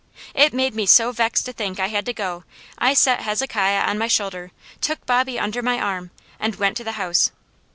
It made me so vexed to think I had to go, I set Hezekiah on my shoulder, took Bobby under my arm, and went to the house.